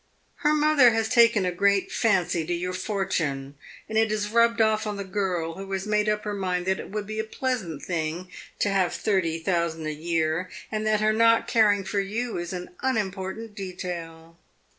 "Her mother has taken a great fancy to your fortune and it has rubbed off on the girl, who has made up her mind that it would be a pleasant thing to have thirty thousand a year, and that her not caring for you is an unimportant detail."